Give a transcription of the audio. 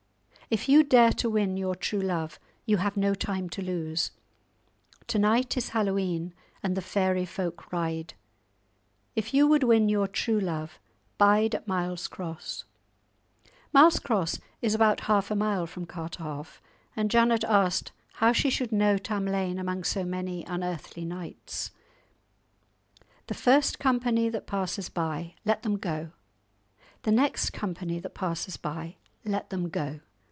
If you dare to win your true love, you have no time to lose. To night is Hallowe'en, and the fairy folk ride. If you would win your true love, bide at Miles Cross." Miles Cross is about half a mile from Carterhaugh, and Janet asked how she should know Tamlane among so many unearthly knights. "The first company that passes by, let them go. The next company that passes by, let them go.